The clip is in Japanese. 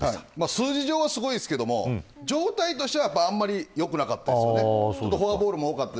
数字はすごいですが状態としてはあんまり良くなかったです。